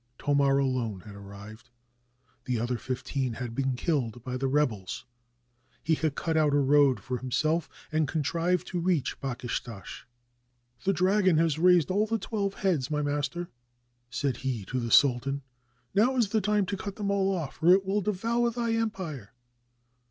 Thomar alone had arrived — the other fifteen had been killed by the rebels; he had cut out a road for himself and contrived to reach Bakshishtash. "The dragon has raised all the twelve heads, my mas ter," said he to the sultan; "now is the time to cut them all off, or it will devour thy empire."